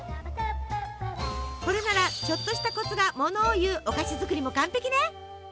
これならちょっとしたコツがものを言うお菓子作りも完璧ね！